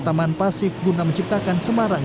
taman pasif guna menciptakan semarang